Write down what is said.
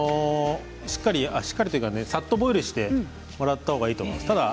しっかりしっかりというかさっとボイルしてもらった方がいいと思います。